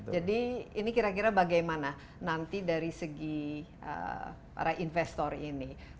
jadi ini kira kira bagaimana nanti dari segi para investor ini